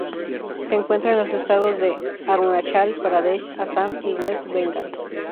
Se encuentra en los estados de Arunachal Pradesh, Assam y West Bengal.